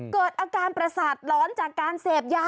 เกิดอาการประสาทหลอนจากการเสพยา